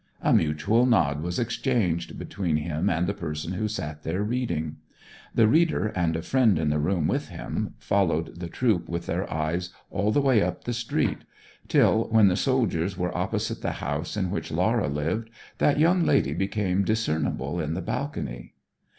A mutual nod was exchanged between him and the person who sat there reading. The reader and a friend in the room with him followed the troop with their eyes all the way up the street, till, when the soldiers were opposite the house in which Laura lived, that young lady became discernible in the balcony.